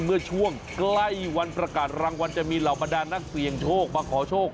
เมื่อช่วงใกล้วันประกาศรางวัลจะมีเหล่าบรรดานนักเสี่ยงโชคมาขอโชค